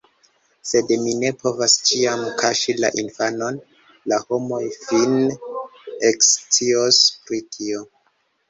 Sed ni ne povas ĉiam kaŝi la infanon, la homoj fine ekscios pri tio...